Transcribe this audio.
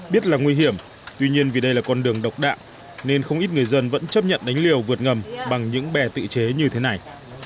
biết là nguy hiểm tuy nhiên vì đây là con đường độc đạo nên không ít người dân vẫn chấp nhận đánh liều vượt ngầm bằng những bè tự chế như thế này